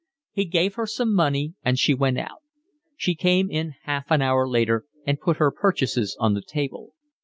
He gave her some money and she went out. She came in half an hour later and put her purchases on the table.